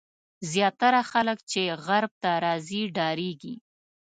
زیاتره خلک چې غرب ته راځي ډارېږي.